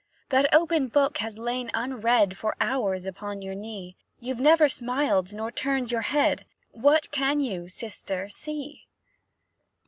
That open book has lain, unread, For hours upon your knee; You've never smiled nor turned your head; What can you, sister, see?"